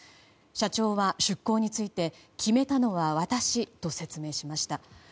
社長は出航について決めたのは私と説明しました。